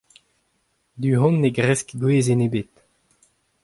Du-hont ne gresk gwezenn ebet.